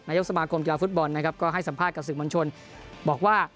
ยกสมาคมกีฬาฟุตบอลนะครับก็ให้สัมภาษณ์กับสื่อมวลชนบอกว่า